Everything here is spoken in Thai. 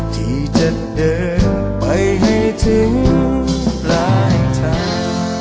ที่จะเดินไปให้ถึงปลายทาง